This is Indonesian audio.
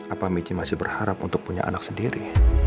apa miki masih berharap untuk punya anak sendiri